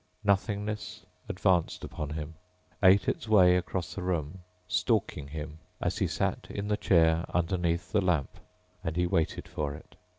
Nothingness advanced upon him, ate its way across the room, stalking him as he sat in the chair underneath the lamp. And he waited for it.